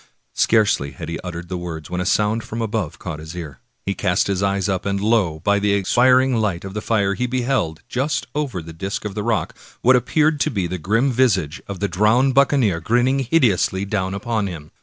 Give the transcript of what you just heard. Scarcely had he uttered the words when a sound from above caught his ear. He cast up his eyes, and lo! by the expiring light of the fire he beheld, just over the disk of the rock, what appeared to be the grim visage of the drowned buccaneer, grinning hideously down upon him.